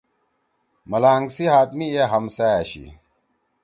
ملانگ سی ہاتھ می اے ہمسا أشی۔